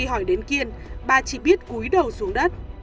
khi hỏi đến kiên bà chỉ biết cúi đầu xuống đất